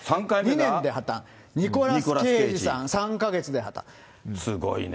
２年で破綻、ニコラス・ケイすごいね。